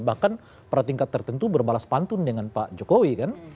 bahkan pada tingkat tertentu berbalas pantun dengan pak jokowi kan